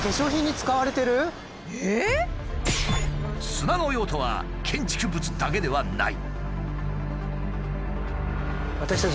砂の用途は建築物だけではない。